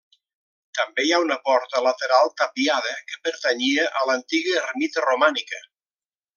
També hi ha una porta lateral tapiada que pertanyia a l'antiga ermita romànica.